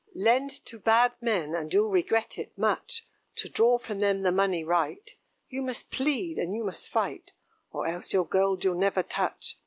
Lend to bad men, and you'll regret it much; To draw from them the money right, You must plead, and you must fight, Or else your gold you'll never touch.